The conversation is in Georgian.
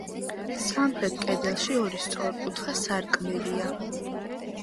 სამხრეთ კედელში ორი სწორკუთხა სარკმელია.